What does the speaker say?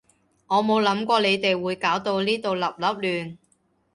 我冇諗過你哋會搞到呢度笠笠亂